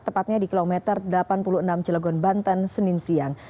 tepatnya di kilometer delapan puluh enam cilegon banten senin siang